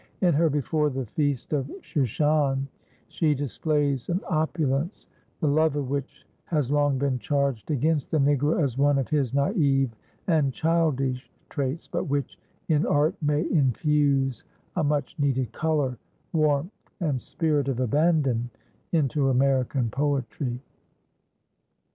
In her "Before the Feast of Shushan" she displays an opulence, the love of which has long been charged against the Negro as one of his naïve and childish traits, but which in art may infuse a much needed color, warmth and spirit of abandon into American poetry.